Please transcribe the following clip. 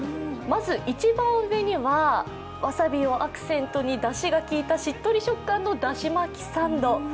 まず一番上にはわさびをアクセントにだしが効いたしっとり食感のだし巻きサンド。